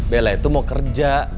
bella itu mau kerja